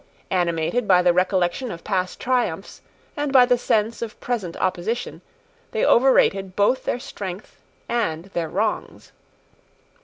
Animated by the recollection of past triumphs, and by the sense of present oppression, they overrated both their strength and their wrongs.